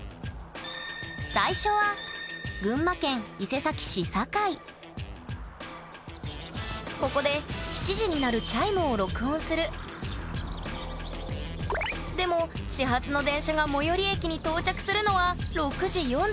最初は群馬県伊勢崎市境ここで７時に鳴るチャイムを録音するでも始発の電車が最寄り駅に到着するのは６時４６分。